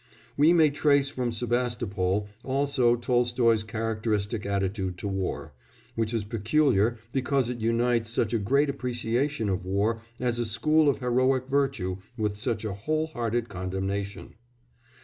We may trace from Sebastopol also Tolstoy's characteristic attitude to war, which is peculiar because it unites such a great appreciation of war as a school of heroic virtue with such a whole hearted condemnation.